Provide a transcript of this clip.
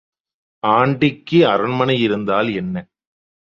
ஆண்டிக்கு அரண்மனை இருந்தால் என்ன?